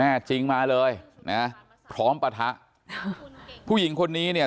จริงมาเลยนะพร้อมปะทะผู้หญิงคนนี้เนี่ย